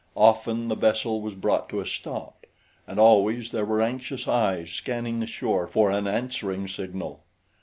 Often the vessel was brought to a stop, and always there were anxious eyes scanning the shore for an answering signal.